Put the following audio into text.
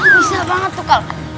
bisa banget tuh kak